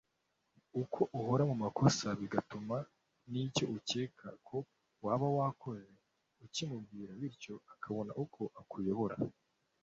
ko uhora mu makosa bigatuma n’icyo ukeka ko waba wakoze ukimubwira bityo akabona uko akuyobora